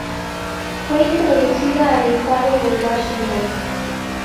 Fue introducida al estado de Washington.